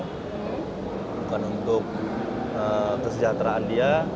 bukan untuk kesejahteraan dia